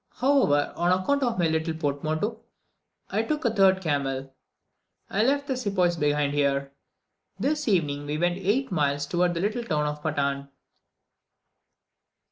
However, on account of my little portmanteau, I took a third camel. I left the sepoys behind here. This evening we went eight miles towards the little town Patan.